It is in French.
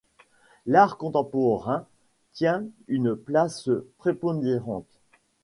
L’art contemporain tient une place prépondérante.